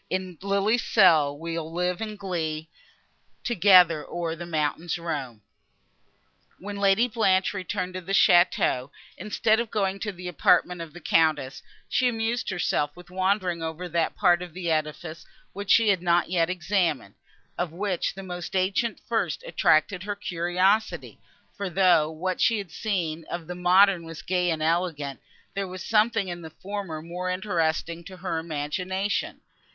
In lily's cell we'll live in glee, Together o'er the mountains roam! When Lady Blanche returned to the château, instead of going to the apartment of the Countess, she amused herself with wandering over that part of the edifice, which she had not yet examined, of which the most ancient first attracted her curiosity; for, though what she had seen of the modern was gay and elegant, there was something in the former more interesting to her imagination.